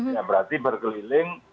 yang berarti berkeliling